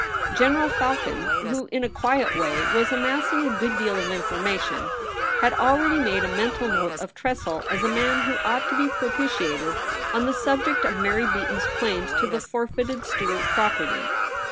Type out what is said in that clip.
General Falcon, who, in a quiet way, was amassing a good deal of information, had already made a men tal note of Tressel as a man who ought to be propitiated on the subject of ^lary Beaton's claims to the forfeited Stuart property.